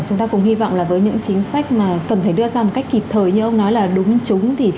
chúng ta cũng hy vọng là với những chính sách mà cần phải đưa ra một cách kịp thời như ông nói là đúng trúng